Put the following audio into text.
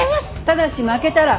ただし負けたら。